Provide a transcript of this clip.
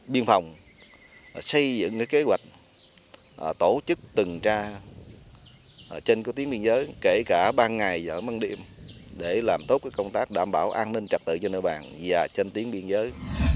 biên phòng xây dựng kế hoạch tổ chức từng tra trên tiến biên giới kể cả ban ngày ở măng điểm để làm tốt công tác đảm bảo an ninh trạc tự cho nơi bàn và trên tiến biên giới